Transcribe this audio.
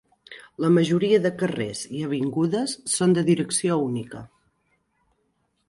La majoria de carrers i avingudes són de direcció única.